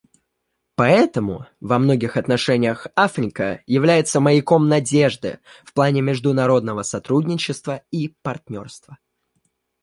Поэтому во многих отношениях Африка является маяком надежды в плане международного сотрудничества и партнерства.